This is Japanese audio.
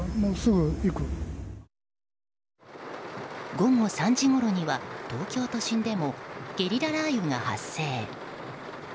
午後３時ごろには東京都心でもゲリラ雷雨が発生。